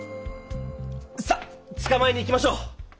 さっつかまえに行きましょう！